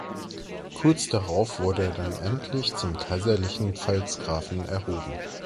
Kurz darauf wurde er dann endlich zum kaiserlichen Pfalzgrafen erhoben.